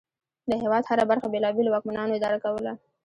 د هېواد هره برخه بېلابېلو واکمنانو اداره کوله.